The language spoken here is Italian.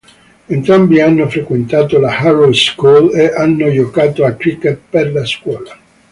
Entrambi hanno frequentato la Harrow School e hanno giocato a cricket per la scuola.